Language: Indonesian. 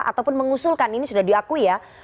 ataupun mengusulkan ini sudah diakui ya